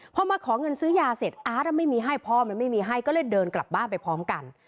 พอมาขอเงินซื้อยาเสร็จอาร์ตไม่มีให้พ่อมันไม่มีให้ก็เลยเดินกลับบ้านไปพร้อมกัน